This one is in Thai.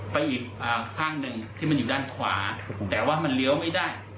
ไปอีกข้างหนึ่งที่มันอยู่ด้านขวาแต่ว่ามันเลี้ยวไม่ได้